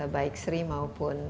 baik sri maupun